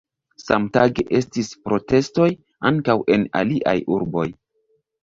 Samtage estis protestoj ankaŭ en aliaj urboj.